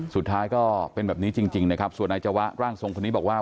สุดท้ายก็เป็นแบบนี้จริงนะครับส่วนนายจวะร่างทรงคนนี้บอกว่า